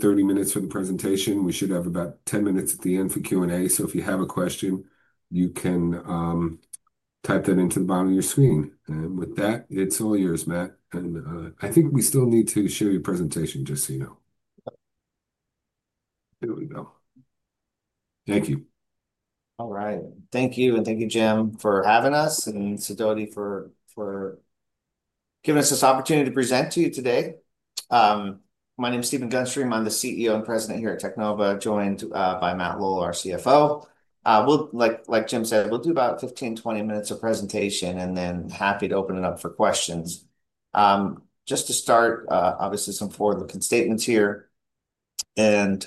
30 minutes for the presentation. We should have about 10 minutes at the end for Q&A, so if you have a question, you can type that into the bottom of your screen. With that, it's all yours, Matt. I think we still need to share your presentation, just so you know. There we go. Thank you. All right. Thank you. Thank you, Jim, for having us and Sadodi for giving us this opportunity to present to you today. My name is Stephen Gunstream. I'm the CEO and President here at Teknova, joined by Matt Lowell, our CFO. Like Jim said, we'll do about 15-20 minutes of presentation and then happy to open it up for questions. Just to start, obviously, some forward-looking statements here. At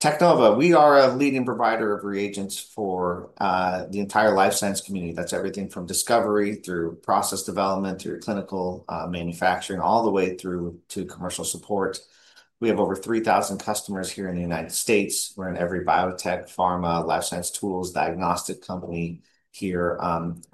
Teknova, we are a leading provider of Reagents for the entire life science community. That's everything from discovery through process development, through clinical manufacturing, all the way through to commercial support. We have over 3,000 customers here in the United States. We're in every biotech, pharma, life science tools, diagnostic company here,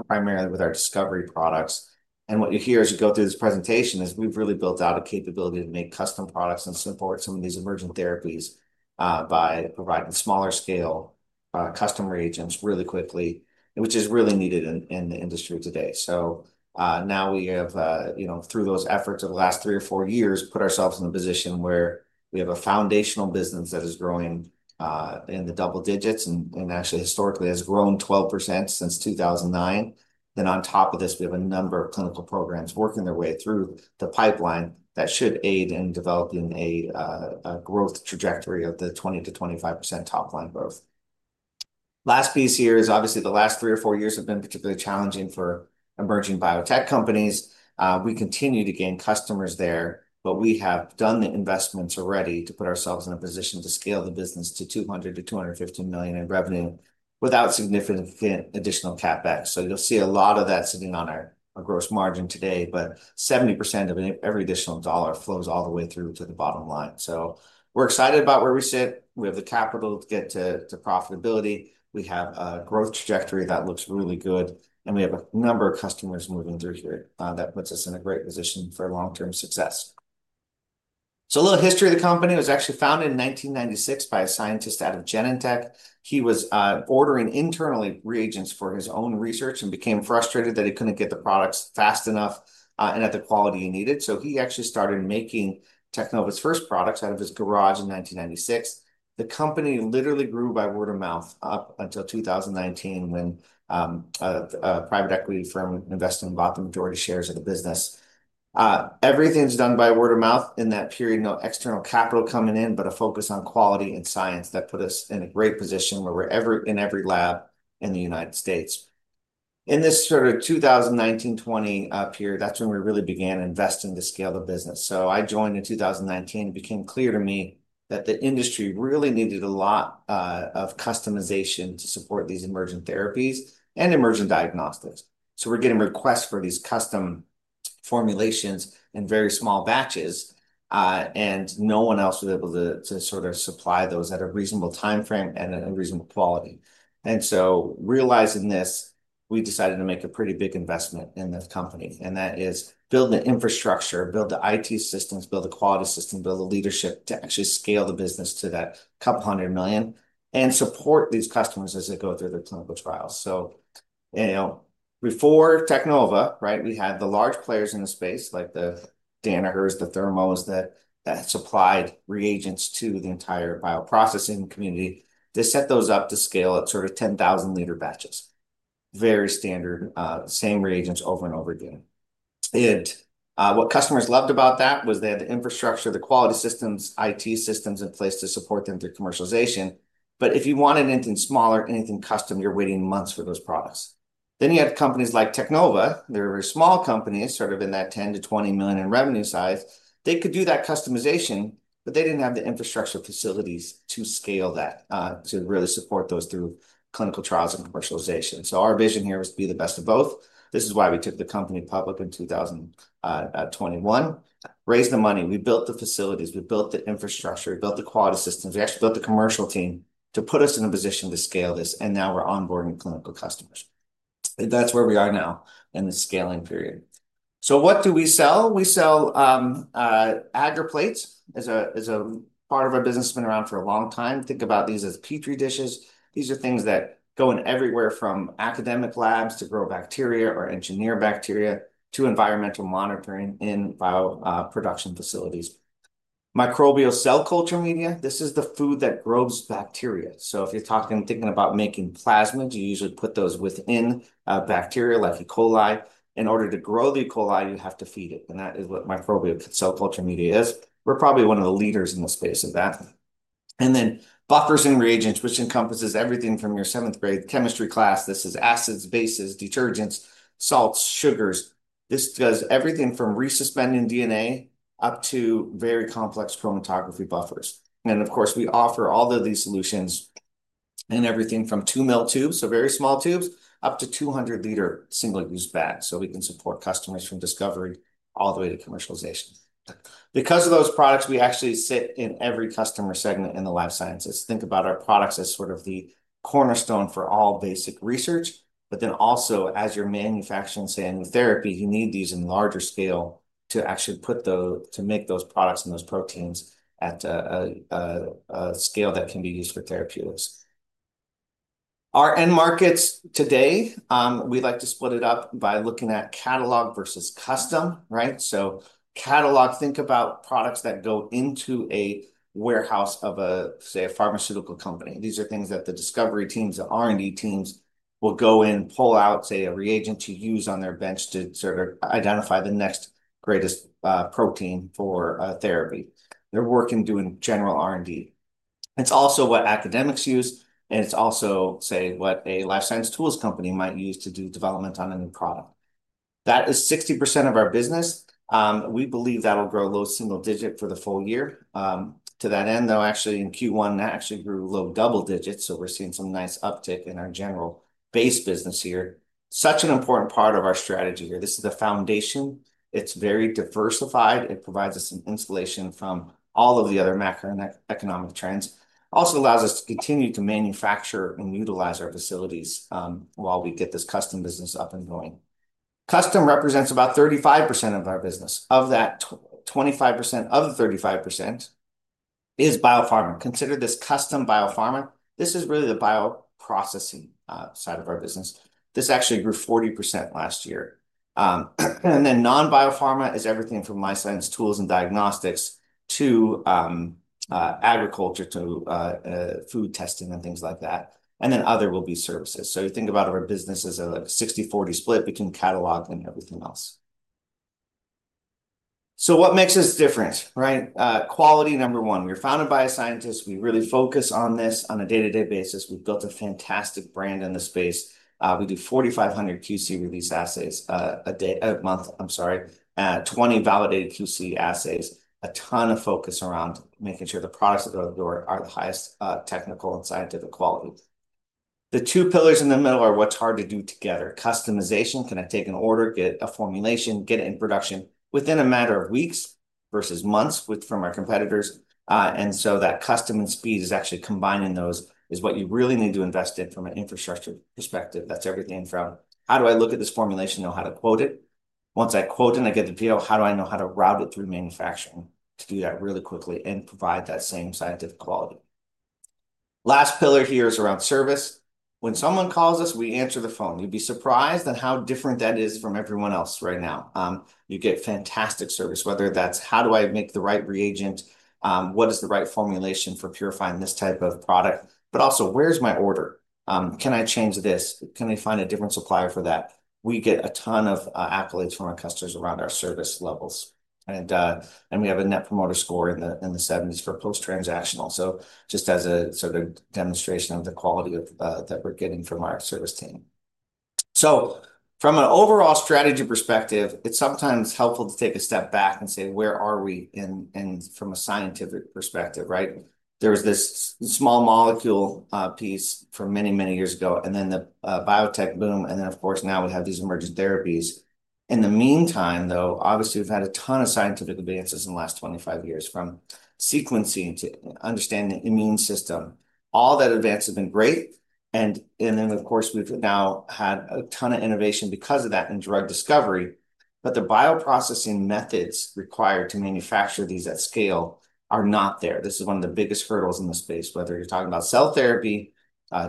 primarily with our discovery products. What you hear as you go through this presentation is we've really built out a capability to make custom products and support some of these emergent therapies by providing smaller-scale custom reagents really quickly, which is really needed in the industry today. Now we have, through those efforts of the last three or four years, put ourselves in a position where we have a foundational business that is growing in the double digits and actually historically has grown 12% since 2009. On top of this, we have a number of clinical programs working their way through the pipeline that should aid in developing a growth trajectory of the 20%-25% top line growth. Last piece here is obviously the last three or four years have been particularly challenging for emerging biotech companies. We continue to gain customers there, but we have done the investments already to put ourselves in a position to scale the business to $200 million-$250 million in revenue without significant additional CapEx. You will see a lot of that sitting on our gross margin today, but 70% of every additional dollar flows all the way through to the bottom line. We are excited about where we sit. We have the capital to get to profitability. We have a growth trajectory that looks really good, and we have a number of customers moving through here that puts us in a great position for long-term success. A little history of the company: it was actually founded in 1996 by a scientist out of Genentech. He was ordering internally reagents for his own research and became frustrated that he could not get the products fast enough and at the quality he needed. So he actually started making Teknova's first products out of his garage in 1996. The company literally grew by word of mouth up until 2019 when a private equity firm invested and bought the majority shares of the business. Everything's done by word of mouth in that period, no external capital coming in, but a focus on quality and science that put us in a great position where we're in every lab in the United States. In this sort of 2019-2020 period, that's when we really began investing to scale the business. I joined in 2019. It became clear to me that the industry really needed a lot of customization to support these emergent therapies and emergent diagnostics. We're getting requests for these custom formulations in very small batches, and no one else was able to sort of supply those at a reasonable time frame and at a reasonable quality. Realizing this, we decided to make a pretty big investment in this company. That is, build the infrastructure, build the IT systems, build the quality systems, build the leadership to actually scale the business to that couple hundred million and support these customers as they go through the clinical trials. Before Teknova, we had the large players in the space like the Danahers, the Thermos that supplied reagents to the entire bioprocessing community. They set those up to scale at sort of 10,000L batches, very standard, same reagents over and over again. What customers loved about that was they had the infrastructure, the quality systems, IT systems in place to support them through commercialization. If you want anything smaller, anything custom, you're waiting months for those products. You had companies like Teknova. They're a very small company, sort of in that $10 million-$20 million in revenue size. They could do that customization, but they didn't have the infrastructure facilities to scale that to really support those through clinical trials and commercialization. Our vision here was to be the best of both. This is why we took the company public in 2021, raised the money. We built the facilities. We built the infrastructure. We built the quality systems. We actually built the commercial team to put us in a position to scale this. Now we're onboarding clinical customers. That's where we are now in the scaling period. What do we sell? We sell agar plates as a part of our business. It's been around for a long time. Think about these as Petri dishes. These are things that go in everywhere from academic labs to grow bacteria or engineer bacteria to environmental monitoring in bioproduction facilities. Microbial cell culture media, this is the food that grows bacteria. If you're thinking about making plasmid, you usually put those within bacteria like E. coli. In order to grow the E. coli, you have to feed it. That is what Microbial Cell Culture Media is. We're probably one of the leaders in the space of that. Then buffers and reagents, which encompasses everything from your seventh-grade chemistry class. This is acids, bases, detergents, salts, sugars. This does everything from resuspending DNA up to very complex chromatography buffers. Of course, we offer all of these solutions in everything from two-mill tubes, so very small tubes, up to 200L single-use bags. We can support customers from discovery all the way to commercialization. Because of those products, we actually sit in every customer segment in the life sciences. Think about our products as sort of the cornerstone for all basic research, but then also as you're manufacturing therapy, you need these in larger scale to actually make those products and those proteins at a scale that can be used for therapeutics. Our end markets today, we'd like to split it up by looking at catalog versus custom. Catalog, think about products that go into a warehouse of, say, a pharmaceutical company. These are things that the discovery teams, the R&D teams will go in, pull out, say, a reagent to use on their bench to sort of identify the next greatest protein for therapy. They're working doing general R&D. It's also what academics use, and it's also, say, what a life science tools company might use to do development on a new product. That is 60% of our business. We believe that'll grow low single digit for the full year. To that end, though, actually in Q1, that actually grew low double digits. We are seeing some nice uptick in our general base business here. Such an important part of our strategy here. This is the foundation. It's very diversified. It provides us an insulation from all of the other macroeconomic trends. Also allows us to continue to manufacture and utilize our facilities while we get this custom business up and going. Custom represents about 35% of our business. Of that, 25% of the 35% is biopharma. Consider this custom biopharma. This is really the bioprocessing side of our business. This actually grew 40% last year. Non-biopharma is everything from life science tools and diagnostics to agriculture to food testing and things like that. Other will be services. You think about our business as a 60/40 split between catalog and everything else. What makes us different? Quality, number one. We're founded by a scientist. We really focus on this on a day-to-day basis. We've built a fantastic brand in the space. We do 4,500 QC release assays a month, I'm sorry, 20 validated QC assays, a ton of focus around making sure the products are the highest technical and scientific quality. The two pillars in the middle are what's hard to do together. Customization can take an order, get a formulation, get it in production within a matter of weeks versus months from our competitors. That custom and speed is actually combining those is what you really need to invest in from an infrastructure perspective. That's everything from how do I look at this formulation, know how to quote it. Once I quote it and I get the PO, how do I know how to route it through manufacturing to do that really quickly and provide that same scientific quality? Last pillar here is around service. When someone calls us, we answer the phone. You'd be surprised at how different that is from everyone else right now. You get fantastic service, whether that's how do I make the right reagent, what is the right formulation for purifying this type of product, but also where's my order? Can I change this? Can I find a different supplier for that? We get a ton of accolades from our customers around our service levels. We have a net promoter score in the 70s for post-transactional. Just as a sort of demonstration of the quality that we're getting from our service team. From an overall strategy perspective, it's sometimes helpful to take a step back and say, where are we from a scientific perspective? There was this small molecule piece for many, many years ago, and then the biotech boom, and then, of course, now we have these emergent therapies. In the meantime, though, obviously, we've had a ton of scientific advances in the last 25 years from sequencing to understanding the immune system. All that advance has been great. Of course, we've now had a ton of innovation because of that in drug discovery. The bioprocessing methods required to manufacture these at scale are not there. This is one of the biggest hurdles in the space, whether you're talking about cell therapy,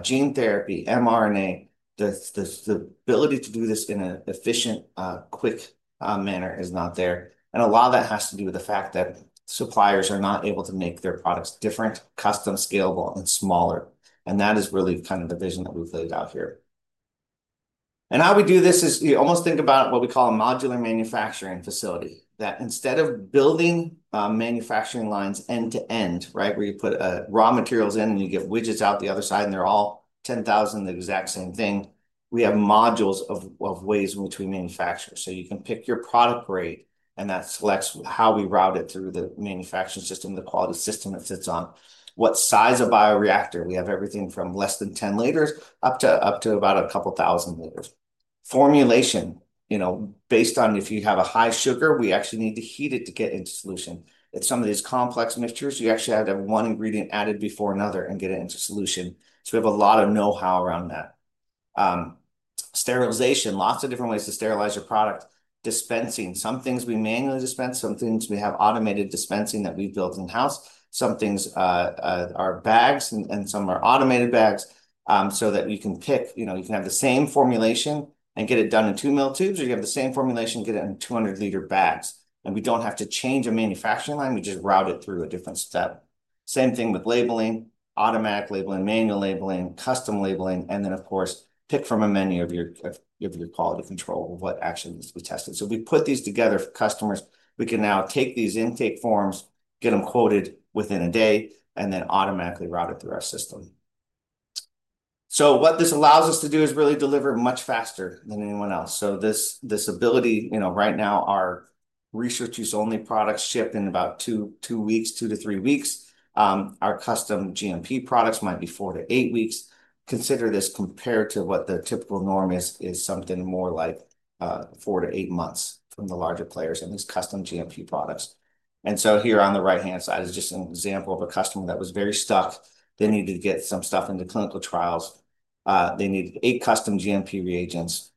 gene therapy, mRNA. The ability to do this in an efficient, quick manner is not there. A lot of that has to do with the fact that suppliers are not able to make their products different, custom, scalable, and smaller. That is really kind of the vision that we've laid out here. How we do this is you almost think about what we call a modular manufacturing facility that instead of building manufacturing lines end to end, where you put raw materials in and you get widgets out the other side and they are all 10,000 the exact same thing, we have modules of ways in which we manufacture. You can pick your product grade and that selects how we route it through the manufacturing system, the quality system that it sits on, what size of bioreactor. We have everything from less than 10L up to about a couple thousand liters. Formulation, based on if you have a high sugar, we actually need to heat it to get into solution. It is some of these complex mixtures. You actually have to have one ingredient added before another and get it into solution. We have a lot of know-how around that. Sterilization, lots of different ways to sterilize your product. Dispensing, some things we manually dispense, some things we have automated dispensing that we build in-house, some things are bags and some are automated bags so that you can pick, you can have the same formulation and get it done in two mill tubes, or you have the same formulation, get it in 200L bags. We do not have to change a manufacturing line. We just route it through a different setup. Same thing with labeling, automatic labeling, manual labeling, custom labeling, and then, of course, pick from a menu of your quality control of what action this was tested. We put these together for customers. We can now take these intake forms, get them quoted within a day, and then automatically route it through our system. What this allows us to do is really deliver much faster than anyone else. This ability, right now, our research-use-only products ship in about two weeks, two to three weeks. Our custom GMP products might be four to eight weeks. Consider this compared to what the typical norm is, is something more like four to eight months from the larger players in these custom GMP products. Here on the right-hand side is just an example of a customer that was very stuck. They needed to get some stuff into clinical trials. They need eight custom GMP reagents.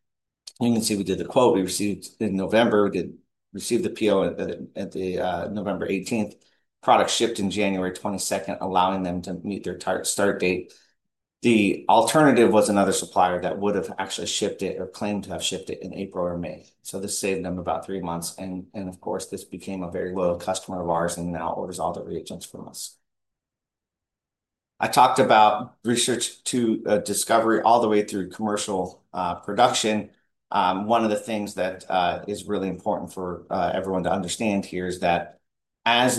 You can see we did the quote. We received in November, we received the PO at November 18th. Product shipped in January 22nd, allowing them to meet their start date. The alternative was another supplier that would have actually shipped it or planned to have shipped it in April or May. This saved them about three months. Of course, this became a very loyal customer of ours and now orders all the reagents from us. I talked about research to discovery all the way through commercial production. One of the things that is really important for everyone to understand here is that as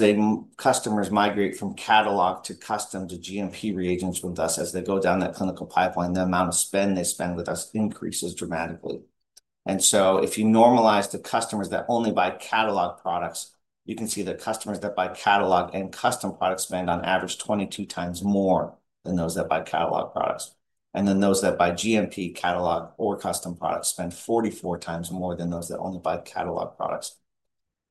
customers migrate from catalog to custom to GMP reagents with us, as they go down that clinical pipeline, the amount of spend they spend with us increases dramatically. If you normalize to customers that only buy catalog products, you can see that customers that buy catalog and custom products spend on average 22 times more than those that buy catalog products. Those that buy GMP catalog or custom products spend 44 times more than those that only buy catalog products.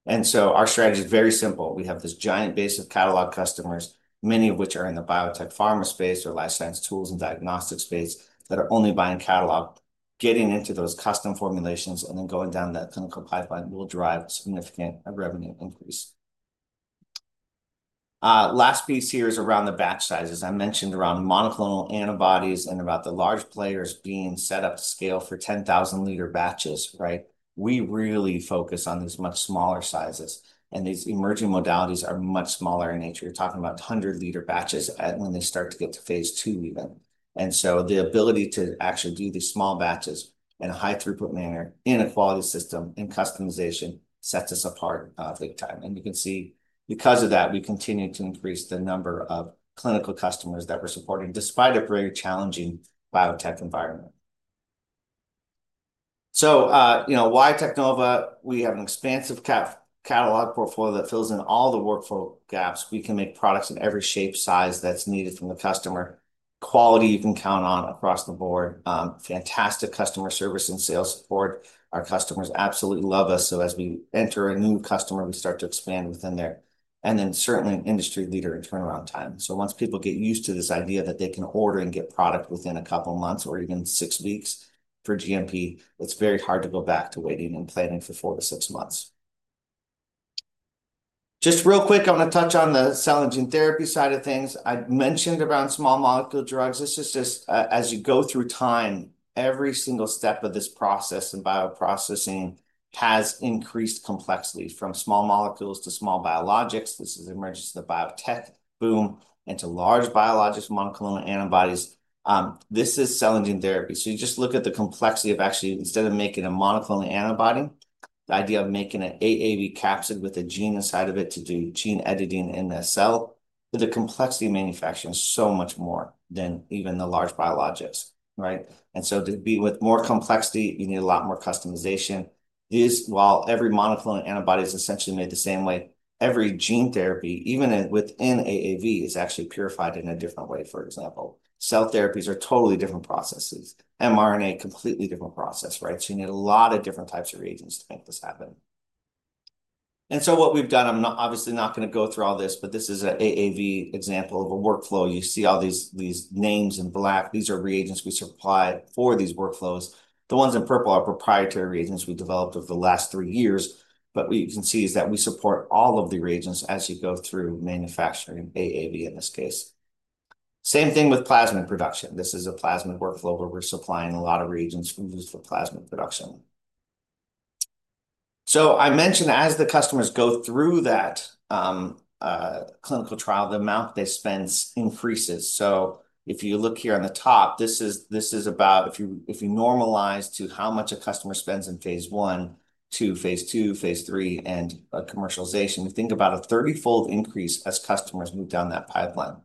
Our strategy is very simple. We have this giant base of catalog customers, many of which are in the biotech pharma space or life science tools and diagnostics space that are only buying catalog. Getting into those custom formulations and then going down that clinical pipeline will drive significant revenue increase. The last piece here is around the batch sizes. I mentioned around monoclonal antibodies and about the large players being set up to scale for 10,000L batches. We really focus on these much smaller sizes, and these emerging modalities are much smaller in nature. You're talking about 100L batches when they start to get to phase two even. The ability to actually do these small batches in a high-throughput manner in a quality system in customization sets us apart big time. You can see because of that, we continue to increase the number of clinical customers that we're supporting despite a very challenging biotech environment. Why Teknova? We have an expansive catalog portfolio that fills in all the workflow gaps. We can make products in every shape, size that's needed from a customer. Quality you can count on across the board. Fantastic customer service and sales support. Our customers absolutely love us. As we enter a new customer, we start to expand within there. Certainly an industry leader in turnaround time. Once people get used to this idea that they can order and get product within a couple of months or even six weeks for GMP, it's very hard to go back to waiting and planning for four to six months. Just real quick, I want to touch on the cell and gene therapy side of things. I mentioned around small molecule drugs. This is just as you go through time, every single step of this process and bioprocessing has increased complexities from small molecules to small biologics. This is emergence of the biotech boom into large biologic monoclonal antibodies. This is cell and gene therapy. You just look at the complexity of actually, instead of making a monoclonal antibody, the idea of making an AAV Capsid with a gene inside of it to do gene editing in that cell, the complexity of manufacturing is so much more than even the large biologics. To be with more complexity, you need a lot more customization. While every monoclonal antibody is essentially made the same way, every gene therapy, even within AAV, is actually purified in a different way, for example. Cell therapies are totally different processes. mRNA, completely different process. You need a lot of different types of reagents to make this happen. What we have done, I am obviously not going to go through all this, but this is an AAV example of a workflow. You see all these names in black. These are reagents we supply for these workflows. The ones in purple are proprietary reagents we developed over the last three years. What you can see is that we support all of the reagents as you go through manufacturing AAV in this case. Same thing with plasmid production. This is a plasmid workflow where we're supplying a lot of reagents for use for plasmid production. I mentioned as the customers go through that clinical trial, the amount they spend increases. If you look here on the top, this is about if you normalize to how much a customer spends in phase one to phase two, phase three, and a commercialization, you think about a 30-fold increase as customers move down that pipeline.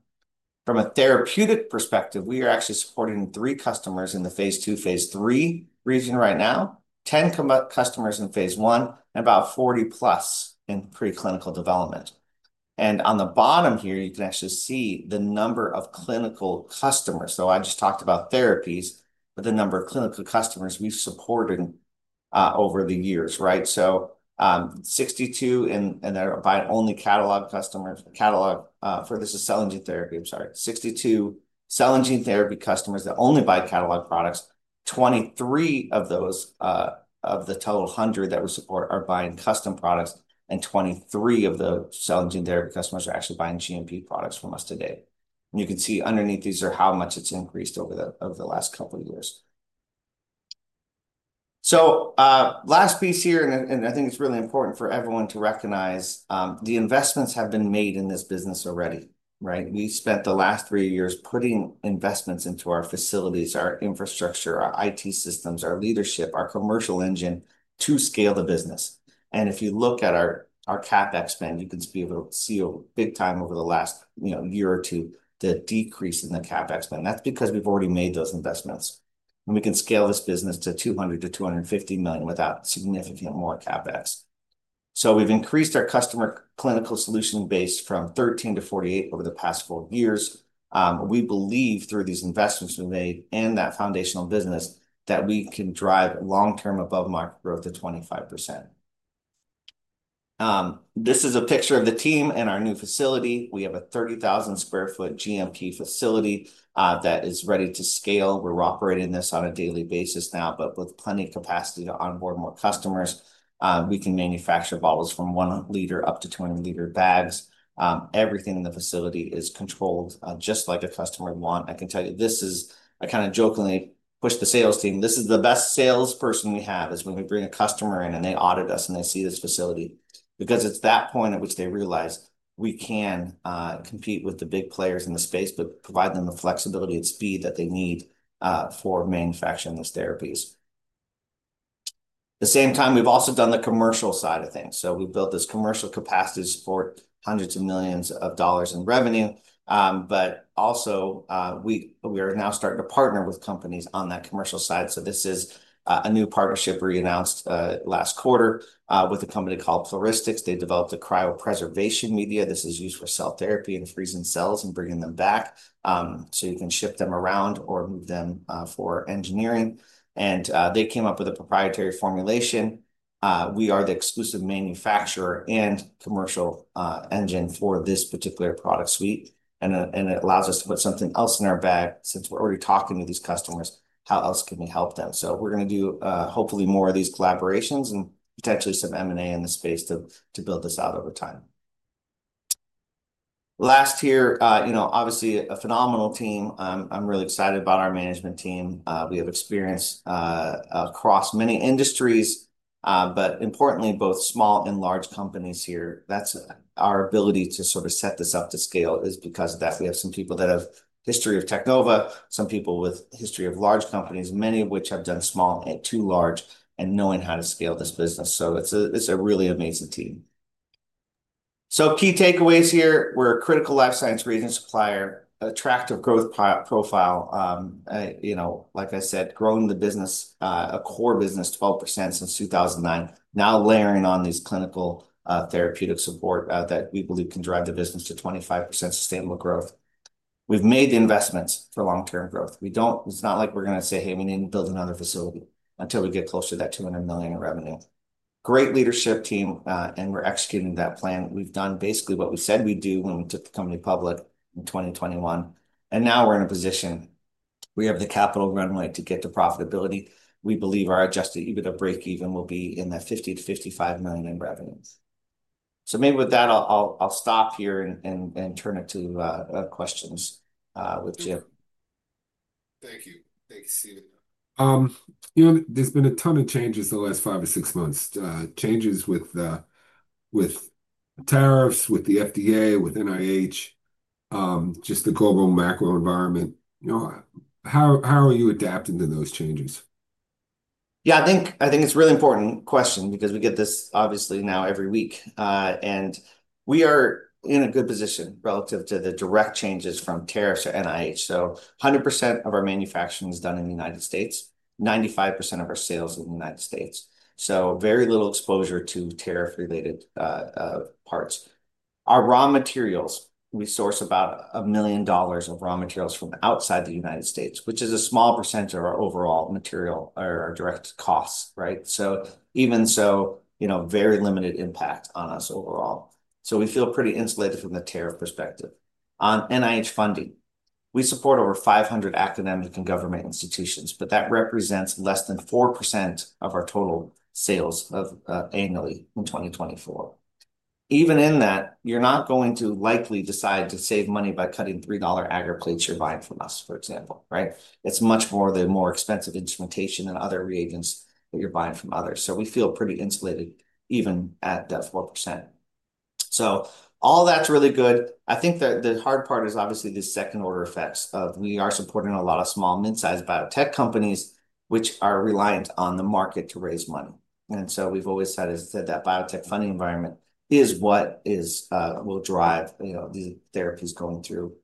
From a therapeutic perspective, we are actually supporting three customers in the phase two, phase three region right now, 10 customers in phase one, and about 40 plus in preclinical development. On the bottom here, you can actually see the number of clinical customers. I just talked about therapies, but the number of clinical customers we've supported over the years. 62, and they're buying only catalog customers. Catalog for this is cell and gene therapy. I'm sorry. 62 cell and gene therapy customers that only buy catalog products. 23 of those of the total hundred that we support are buying custom products, and 23 of the cell and gene therapy customers are actually buying GMP products from us today. You can see underneath these are how much it's increased over the last couple of years. Last piece here, and I think it's really important for everyone to recognize, the investments have been made in this business already. We spent the last three years putting investments into our facilities, our infrastructure, our IT systems, our leadership, our commercial engine to scale the business. If you look at our CapEx spend, you can see a big time over the last year or two, the decrease in the CapEx spend. That's because we've already made those investments. We can scale this business to $200 million-$250 million without significant more CapEx. We've increased our customer clinical solution base from 13 to 48 over the past four years. We believe through these investments we've made and that foundational business that we can drive long-term above-market growth to 25%. This is a picture of the team and our new facility. We have a 30,000 sq ft GMP facility that is ready to scale. We're operating this on a daily basis now, but with plenty of capacity to onboard more customers. We can manufacture bottles from one liter up to 200L bags. Everything in the facility is controlled just like a customer would want. I can tell you this is, I kind of jokingly pushed the sales team, this is the best salesperson we have is when we bring a customer in and they audit us and they see this facility because it's that point at which they realize we can compete with the big players in the space, but provide them the flexibility and speed that they need for manufacturing these therapies. At the same time, we've also done the commercial side of things. We have built this commercial capacity for hundreds of millions of dollars in revenue. Also, we are now starting to partner with companies on that commercial side. This is a new partnership we announced last quarter with a company called Pluristyx. They developed a Cryopreservation Media. This is used for cell therapy and freezing cells and bringing them back so you can shift them around or move them for engineering. They came up with a proprietary formulation. We are the exclusive manufacturer and commercial engine for this particular product suite. It allows us to put something else in our bag since we're already talking to these customers, how else can we help them? We're going to do hopefully more of these collaborations and potentially some M&A in the space to build this out over time. Last here, obviously a phenomenal team. I'm really excited about our management team. We have experience across many industries, but importantly, both small and large companies here. That's our ability to sort of set this up to scale is because of that. We have some people that have history of Teknova, some people with history of large companies, many of which have done small, made too large, and knowing how to scale this business. It's a really amazing team. Key takeaways here, we're a critical life science reagent supplier, attractive growth profile. Like I said, growing the business, a core business 12% since 2009, now layering on these clinical therapeutic support that we believe can drive the business to 25% sustainable growth. We've made investments for long-term growth. It's not like we're going to say, "Hey, we need to build another facility until we get closer to that $200 million in revenue." Great leadership team, and we're executing that plan. We've done basically what we said we'd do when we took the company public in 2021. Now we're in a position we have the capital runway to get to profitability. We believe our adjusted EBITDA break-even will be in that $50 million-$55 million in revenues. Maybe with that, I'll stop here and turn it to questions with Jim. Thank you. Thank you, Stephen. There's been a ton of changes the last five to six months. Changes with tariffs, with the FDA, with NIH, just the global macro environment. How are you adapting to those changes? Yeah, I think it's a really important question because we get this obviously now every week. We are in a good position relative to the direct changes from tariffs to NIH. 100% of our manufacturing is done in the United States, 95% of our sales in the United States. Very little exposure to tariff-related parts. Our raw materials, we source about $1 million of raw materials from outside the United States, which is a small percentage of our overall material or our direct costs. Even so, very limited impact on us overall. We feel pretty insulated from the tariff perspective. On NIH funding, we support over 500 academic and government institutions, but that represents less than 4% of our total sales annually in 2024. Even in that, you're not going to likely decide to save money by cutting $3 aggregates you're buying from us, for example. It's much more the more expensive instrumentation and other reagents that you're buying from others. We feel pretty insulated even at that 4%. All that's really good. I think that the hard part is obviously the second-order effects of we are supporting a lot of small, mid-sized biotech companies, which are reliant on the market to raise money. We have always said that biotech funding environment is what will drive the therapies going through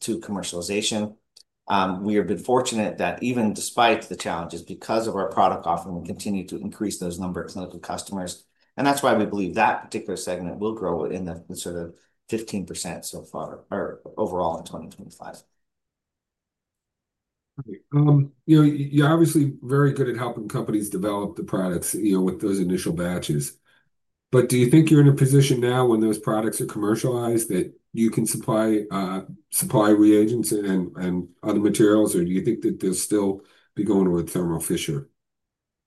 to commercialization. We have been fortunate that even despite the challenges, because of our product offering, we continue to increase those numbers to customers. That is why we believe that particular segment will grow in the sort of 15% so far or overall in 2025. You are obviously very good at helping companies develop the products with those initial batches. Do you think you are in a position now when those products are commercialized that you can supply reagents and other materials? Do you think that they will still be going with Thermo Fisher?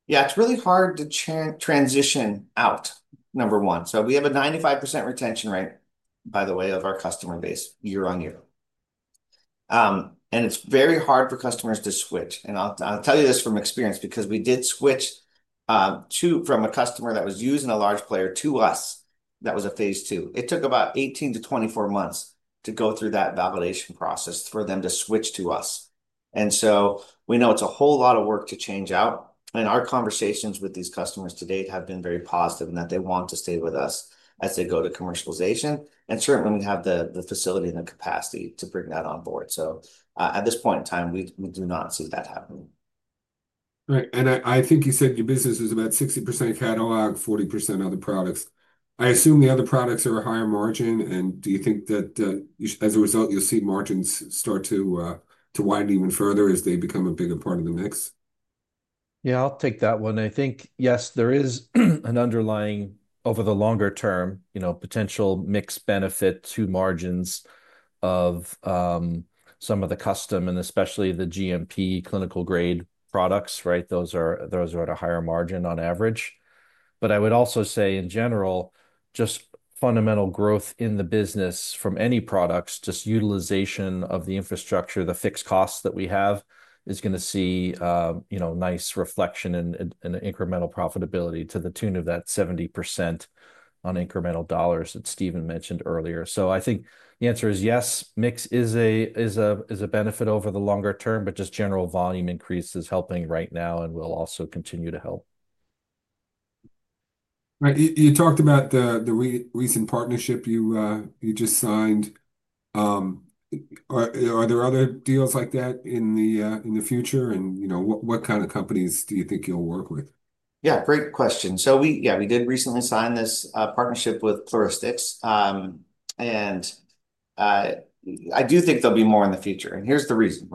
Yeah, it is really hard to transition out, number one. We have a 95% retention rate, by the way, of our customer base year on year. It is very hard for customers to switch. I'll tell you this from experience because we did switch from a customer that was using a large player to us that was a phase two. It took about 18-24 months to go through that validation process for them to switch to us. We know it is a whole lot of work to change out. Our conversations with these customers to date have been very positive in that they want to stay with us as they go to commercialization. Certainly, we have the facility and the capacity to bring that on board. At this point in time, we do not see that happening. I think you said your business is about 60% of catalog, 40% other products. I assume the other products are a higher margin. Do you think that as a result, you'll see margins start to widen even further as they become a bigger part of the mix? Yeah, I'll take that one. I think, yes, there is an underlying, over the longer term, potential mixed benefit to margins of some of the custom and especially the GMP clinical-grade products. Those are at a higher margin on average. I would also say, in general, just fundamental growth in the business from any products, just utilization of the infrastructure, the fixed costs that we have, is going to see nice reflection and incremental profitability to the tune of that 70% on incremental dollars that Stephen mentioned earlier. I think the answer is yes. Mix is a benefit over the longer term, but just general volume increase is helping right now and will also continue to help. You talked about the recent partnership you just signed. Are there other deals like that in the future? What kind of companies do you think you'll work with? Yeah, great question. Yeah, we did recently sign this partnership with Pluristyx. I do think there'll be more in the future. Here's the reason.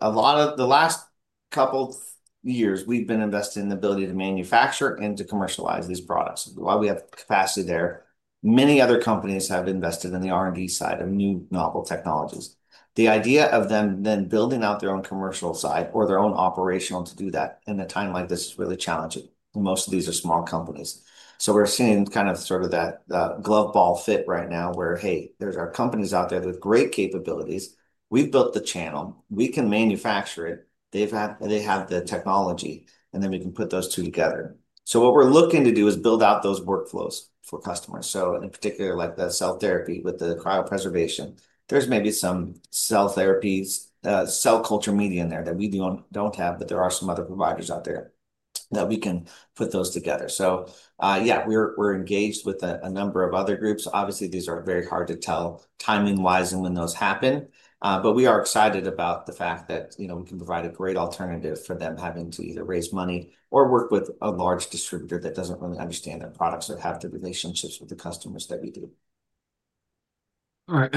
A lot of the last couple of years, we've been invested in the ability to manufacture and to commercialize these products. While we have capacity there, many other companies have invested in the R&D side of new novel technologies. The idea of them then building out their own commercial side or their own operational to do that in a time like this is really challenging. Most of these are small companies. We're seeing kind of sort of that glove ball fit right now where, hey, there are companies out there with great capabilities. We've built the channel. We can manufacture it. They have the technology, and then we can put those two together. What we're looking to do is build out those workflows for customers. In particular, like the cell therapy with the cryopreservation, there are maybe some cell therapies, cell culture media in there that we don't have, but there are some other providers out there that we can put those together. Yeah, we're engaged with a number of other groups. Obviously, these are very hard to tell timing-wise and when those happen. We are excited about the fact that we can provide a great alternative for them having to either raise money or work with a large distributor that does not really understand the products that have the relationships with the customers that we do. All right.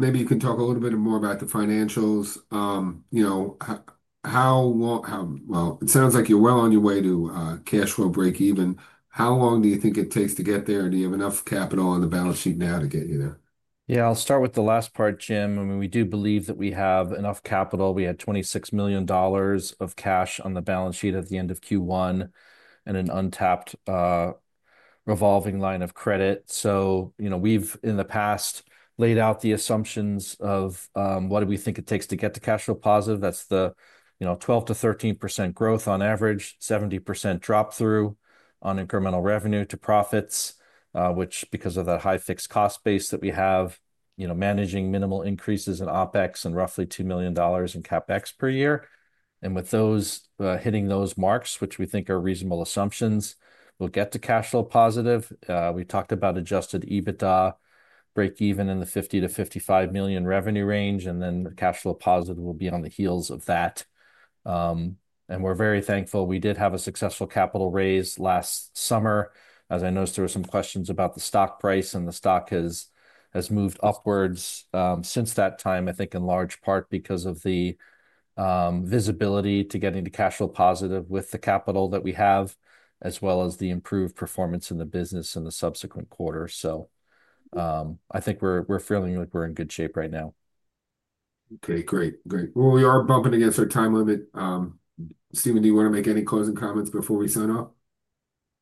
Maybe you can talk a little bit more about the financials. It sounds like you are well on your way to cash flow break-even. How long do you think it takes to get there? Do you have enough capital on the balance sheet now to get you there? I will start with the last part, Jim. I mean, we do believe that we have enough capital. We had $26 million of cash on the balance sheet at the end of Q1 and an untapped revolving line of credit. We have, in the past, laid out the assumptions of what do we think it takes to get to cash flow positive. That is the 12%-13% growth on average, 70% drop-through on incremental revenue to profits, which, because of the high fixed cost base that we have, means managing minimal increases in OpEx and roughly $2 million in CapEx per year. With hitting those marks, which we think are reasonable assumptions, we will get to cash flow positive. We talked about adjusted EBITDA break-even in the $50 million-$55 million revenue range, and then cash flow positive will be on the heels of that. We are very thankful. We did have a successful capital raise last summer. As I noticed, there were some questions about the stock price, and the stock has moved upwards since that time, I think in large part because of the visibility to getting the cash flow positive with the capital that we have, as well as the improved performance in the business in the subsequent quarter. I think we're feeling like we're in good shape right now. Great. Great. We are bumping against our time limit. Stephen, do you want to make any closing comments before we sign off?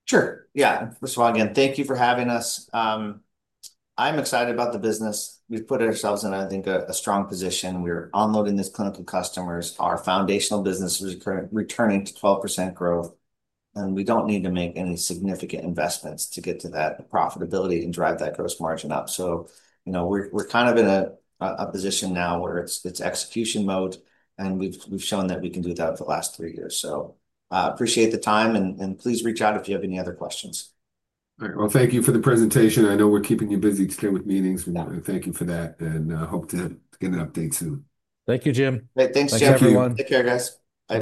Sure. Yeah. First of all, again, thank you for having us. I'm excited about the business. We've put ourselves in, I think, a strong position. We're unloading this clinical customers. Our foundational business is returning to 12% growth, and we don't need to make any significant investments to get to that profitability and drive that gross margin up. We are kind of in a position now where it is execution mode, and we have shown that we can do that for the last three years. I appreciate the time, and please reach out if you have any other questions. All right. Thank you for the presentation. I know we are keeping you busy today with meetings. Thank you for that, and hope to get an update soon. Thank you, Jim. Thanks, Jeffrey. Take care, guys.